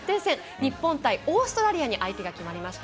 日本対オーストラリアに相手が決まりました。